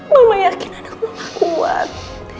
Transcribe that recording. mama yakin ada mama kuat